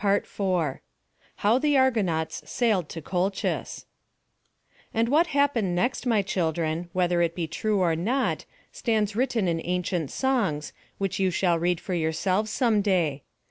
PART IV How the Argonauts Sailed to Colchis And what happened next, my children, whether it be true or not, stands written in ancient songs, which you shall read for yourselves some day.